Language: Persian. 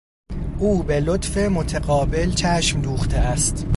او به لطف متقابل چشم دوخته است.